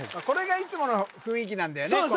これがいつもの雰囲気なんだよね